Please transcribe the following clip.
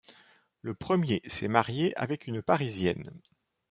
Le premier s'est marié avec une Parisienne.